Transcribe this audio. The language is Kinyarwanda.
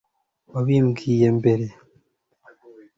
wabimbwiye mbere